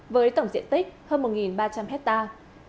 với tổng diện tích hơn một ba trăm linh hectare